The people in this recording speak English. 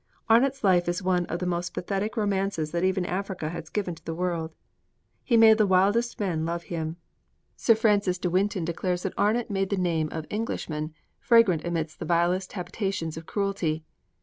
Arnot's life is one of the most pathetic romances that even Africa has given to the world. He made the wildest men love him. Sir Francis de Winton declares that Arnot made the name of Englishman fragrant amidst the vilest habitations of cruelty.